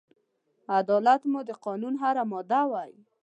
عدالت مو د قانون هره ماده وای